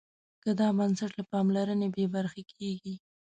که دا بنسټ له پاملرنې بې برخې کېږي.